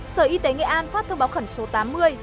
sở y tế nghệ an phát thông báo khẩn số tám mươi